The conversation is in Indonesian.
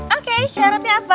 oke syaratnya apa